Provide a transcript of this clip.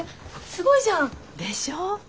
すごいじゃん！でしょう？